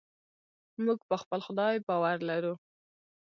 موږ په خپل خدای باور لرو.